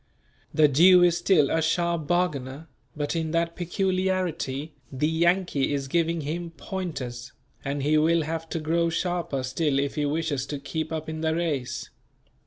The Jew is still a sharp bargainer, but in that peculiarity the Yankee is giving him "pointers," and he will have to grow sharper still if he wishes to keep up in the race.